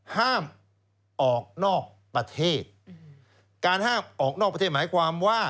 ห้ามออกนอกประเทศการห้ามออกนอกประเทศหมายความว่า